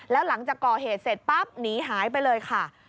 แล้วหลังจากก่อเหตุเสร็จปั๊บหนีหายไปเลยค่ะ